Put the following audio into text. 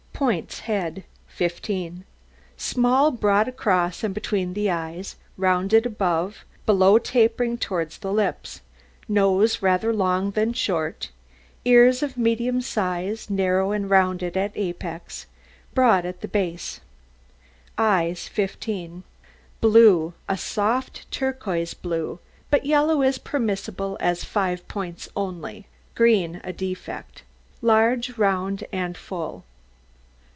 POINTS HEAD 15 Small, broad across and between the eyes, rounded above, below tapering towards the lips, nose rather long than short, ears of medium size, narrow and rounded at apex, broad at the base. EYES 15 Blue a soft, turquoise blue but yellow is permissible as five points only, green a defect; large, round, and full.